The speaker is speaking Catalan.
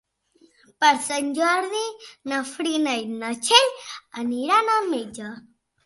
Per Sant Jordi na Frida i na Txell aniran al metge.